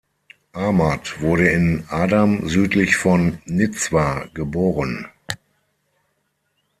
Ahmad wurde in Adam südlich von Nizwa geboren.